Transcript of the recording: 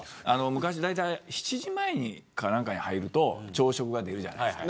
昔は、だいたい７時前に入ると朝食が出るじゃないですか。